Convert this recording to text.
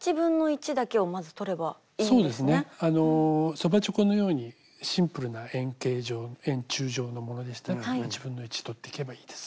そばちょこのようにシンプルな円形状円柱状のものでしたら取っていけばいいです。